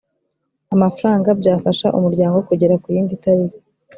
amafaranga byafasha umuryango kugera ku yindi tariki